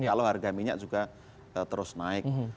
kalau harga minyak juga terus naik